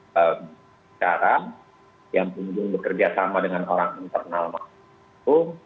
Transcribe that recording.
seorang penjara yang punjung bekerja sama dengan orang internal maksum